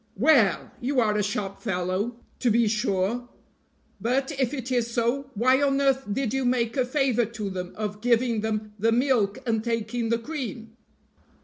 "Well! you are a sharp fellow, to be sure; but, if it is so, why on earth did you make a favor to them of giving them the milk and taking the cream?"